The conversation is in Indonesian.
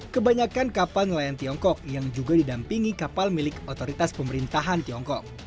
kebanyakan kapal nelayan tiongkok yang juga didampingi kapal milik otoritas pemerintahan tiongkok